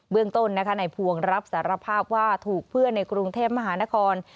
เรื่องต้นในพวงรับสารภาพว่าถูกเพื่อนในกรุงเทพมหานคร